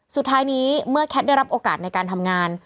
สุดท้ายนี้เมื่อแคทได้รับโอกาสในการทำงาน